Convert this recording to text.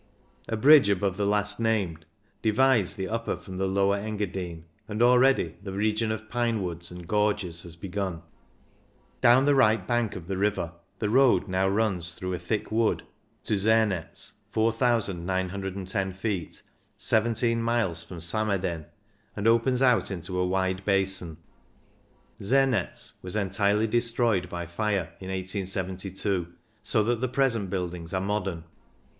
A bridge above the last named divides the Upper from the Lower Engadine, and already the region of pine woods and gorges has begun. Down the right bank of the river the road now runs through a thick wood to THE ENGADINE 173 Zernetz (4,910 ft), 1 7 miles from Samaden, and opens out into a wide basin. Zernetz was entirely destroyed by fire in 1872, so that the present buildings are modern.